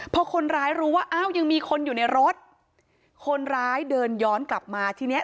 พอคนร้ายรู้ว่าอ้าวยังมีคนอยู่ในรถคนร้ายเดินย้อนกลับมาทีเนี้ย